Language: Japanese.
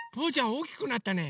おおきくなったね。